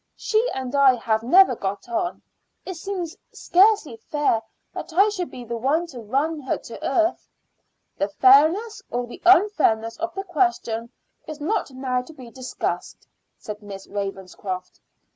She and I have never got on. It seems scarcely fair that I should be the one to run her to earth." "The fairness or the unfairness of the question is not now to be discussed," said Miss Ravenscroft.